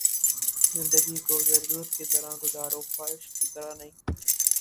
زندگی کو ضرورت کی طرح گزارو، خواہش کی طرح نہیں